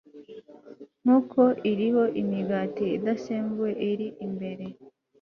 nkoko iriho imigati idasembuwe iri imbere